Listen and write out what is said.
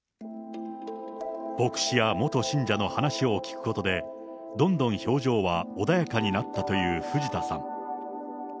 牧師や元信者の話を聞くことで、どんどん表情は穏やかになったという藤田さん。